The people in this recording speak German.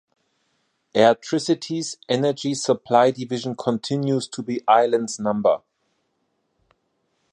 Airtricity’s energy supply division continues to be Ireland’s No.